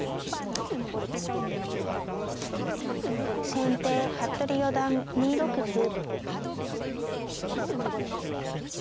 先手服部四段２六歩。